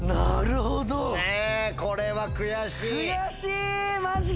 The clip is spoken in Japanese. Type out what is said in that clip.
これは悔しい。